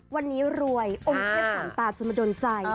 วันนี้รวยองค์เทพสามตาจะมาโดนใจ